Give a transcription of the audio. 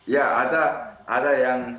ya ada yang